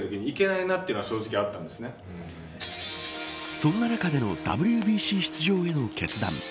そんな中でのＷＢＣ出場への決断。